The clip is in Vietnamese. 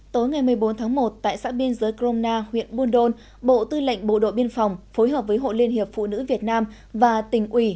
tối ngày một mươi bốn tháng một tại xã biên giới crona huyện buôn đôn bộ tư lệnh bộ đội biên phòng phối hợp với hội liên hiệp phụ nữ việt nam và tỉnh ủy